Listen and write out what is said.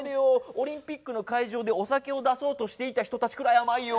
オリンピックの会場でお酒を出そうとしていた人たちくらいあまいよ。